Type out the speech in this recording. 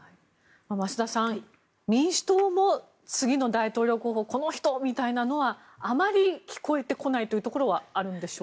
増田さん民主党も次の大統領候補この人みたいなのはあまり聞こえてこないというところはあるんでしょうか。